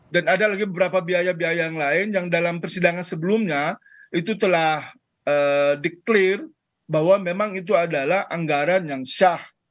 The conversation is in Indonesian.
dan ada lagi beberapa biaya biaya yang lain yang dalam persidangan sebelumnya itu telah di clear bahwa memang itu adalah anggaran yang syah